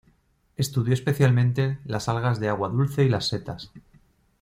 Estudió especialmente las algas de agua dulce y las setas.